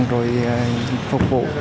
rồi phục vụ